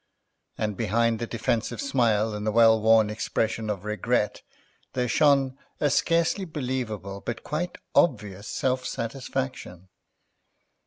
And behind the defensive smile and the well worn expressions of regret there shone a scarcely believable but quite obvious self satisfaction.